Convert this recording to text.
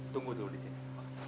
tunggu dulu di sini